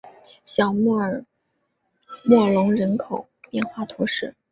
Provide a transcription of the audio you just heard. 小穆尔默隆人口变化图示